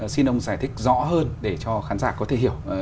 xin ông giải thích rõ hơn để cho khán giả có thể hiểu